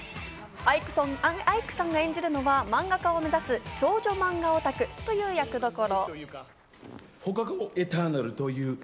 アイクさんが演じるのは漫画家を目指す、少女漫画オタクという役どころ。